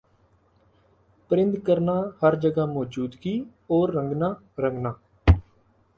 پرند کرنا ہَر جگہ موجودگی اور رنگنا رنگنا